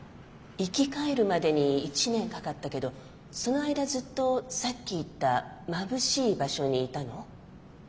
生き返るまでに１年かかったけどその間ずっとさっき言ったまぶしい場所にいたの？